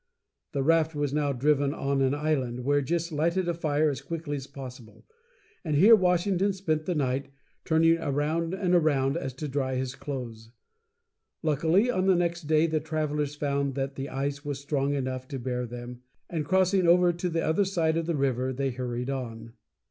The raft was now driven on an island, where Gist lighted a fire as quickly as possible; and here Washington spent the night, turning around and around so as to dry his clothes. Luckily, on the next day the travelers found that the ice was strong enough to bear them, and, crossing over to the other side of the river, they hurried on.